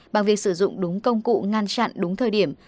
bằng việc sử dụng đúng công cụ ngăn chặn đúng thời điểm